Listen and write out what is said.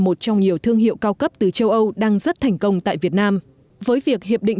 một trong nhiều thương hiệu cao cấp từ châu âu đang rất thành công tại việt nam với việc hiệp định